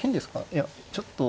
いやちょっと。